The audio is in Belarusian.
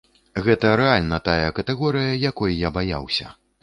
Гэта рэальна тая катэгорыя, якой я баяўся.